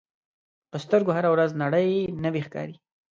په سترګو هره ورځ نړۍ نوې ښکاري